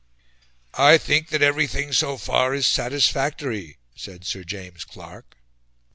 "I think that everything so far is satisfactory," said Sir James Clark.